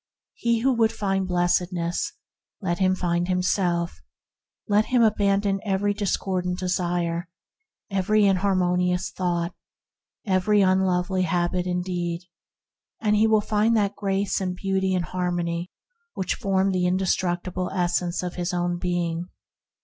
He who would find Blessedness, let him find himself; let him abandon every discordant desire, every inharmonious thought, every unlovely habit and deed, and he will find the Grace and Beauty and Harmony that form the indestructible essence of his own being.